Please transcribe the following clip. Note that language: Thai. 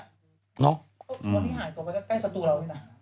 ช่วงที่หายต่อไปก็ใกล้สจุเราดินะ